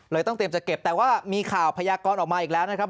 ต้องเตรียมจะเก็บแต่ว่ามีข่าวพยากรออกมาอีกแล้วนะครับ